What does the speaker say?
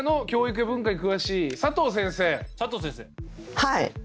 はい。